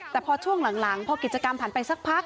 แต่พอช่วงหลังพอกิจกรรมผ่านไปสักพัก